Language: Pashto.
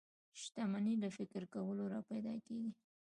شتمني له فکر کولو را پيدا کېږي.